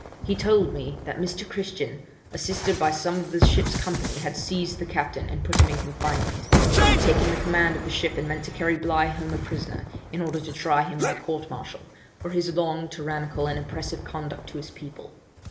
He told me that Mr. Christian, assisted by some of the ship's company had seized the captain and put him in confinement; had taken the command of the ship and meant to carry Bligh home a prisoner, in order to try him by court martial, for his long tyrannical and oppressive conduct to his people.